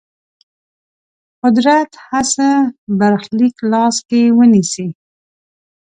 قدرت هڅه برخلیک لاس کې ونیسي.